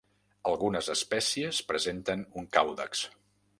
Algunes espècies presenten un càudex.